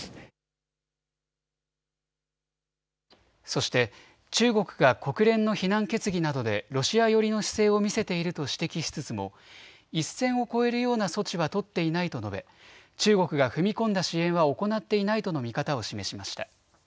そして中国が国連の非難決議などでロシア寄りの姿勢を見せていると指摘しつつも一線を越えるような措置は取っていないと述べ中国が踏み込んだ支援は行っていないとの見方を示しました。